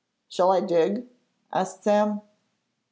'Shall I dig?' asked Sam.